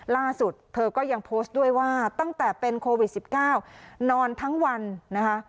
ล่าสุดเธอก็ยังโพสต์ด้วยว่าตั้งแต่เป็นโควิด๑๙นอนทั้งวันนะคะ